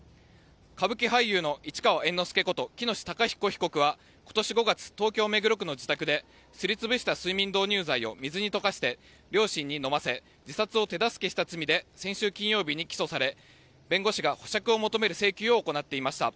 歌舞伎俳優の市川猿之助こと喜熨斗孝彦被告は今年５月東京・目黒区の自宅ですりつぶした睡眠導入剤を水に溶かして両親に飲ませ自殺を手助けした罪で先週金曜日に起訴され弁護士が保釈を求める請求を行っていました。